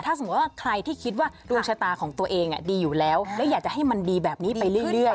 ถ้าสมมุติว่าใครที่คิดว่าดวงชะตาของตัวเองดีอยู่แล้วและอยากจะให้มันดีแบบนี้ไปเรื่อย